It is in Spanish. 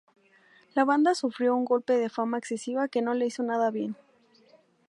La banda sufrió un golpe de fama excesiva que no le hizo nada bien.